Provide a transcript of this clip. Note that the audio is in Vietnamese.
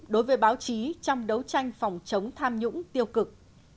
đối với báo chí trong đấu tranh phòng chống tham nhũng tiêu cực